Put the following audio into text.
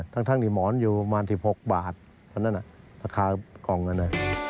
ทั้งที่หมอนอยู่ประมาณ๑๖บาทอันนั้นค่ากล่องเงิน